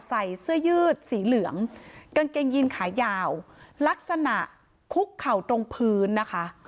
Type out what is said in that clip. ใส่เสื้อยืดสีเหลืองกางเกงยีนขายาวลักษณะคุกเข่าตรงพื้นนะคะ